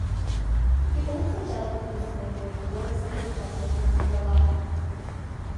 He also dealt musically with the works of the sculptor Ernst Barlach.